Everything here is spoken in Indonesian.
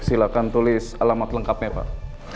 silahkan tulis alamat lengkapnya pak